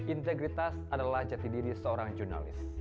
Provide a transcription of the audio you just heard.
integritas adalah jati diri seorang jurnalis